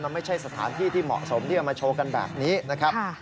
มันไม่ใช่สถานที่ที่เหมาะสมที่จะมาโชว์กันแบบนี้นะครับ